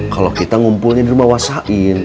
kalau kita ngumpulnya di rumah wah sain